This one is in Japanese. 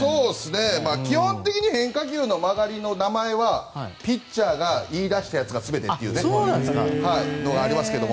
基本的に変化球の曲がりの名前はピッチャーが言い出したやつが全てだというのがありますが。